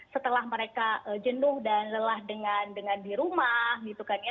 setelah mereka jenuh dan lelah dengan di rumah gitu kan ya